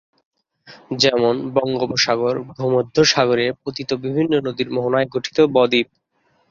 যেমন- বঙ্গোপসাগর, ভূমধ্যসাগরে পতিত বিভিন্ন নদীর মোহনায় গঠিত বদ্বীপ।